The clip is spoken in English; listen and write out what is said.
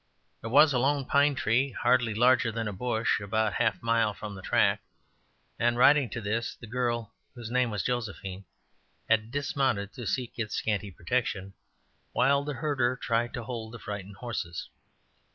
There was a lone pine tree hardly larger than a bush about a half mile from the track, and riding to this, the girl, whose name was Josephine, had dismounted to seek its scant protection, while the herder tried to hold the frightened horses.